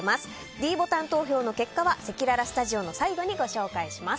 ｄボタン投票の結果はせきららスタジオの最後にご紹介します。